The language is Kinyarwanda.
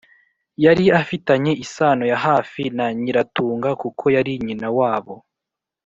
yari afitanye isano ya hafi na Nyiratunga kuko yari nyina wabo.